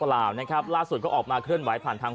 เปล่านะครับล่าสุดก็ออกมาเคลื่อนไหวผ่านทาง